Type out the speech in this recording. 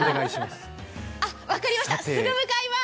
分かりました、すぐに向かいます。